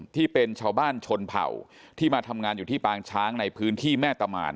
ที่เป็นชาวบ้านชนเผ่าที่มาทำงานอยู่ที่ปางช้างในพื้นที่แม่ตะหมาน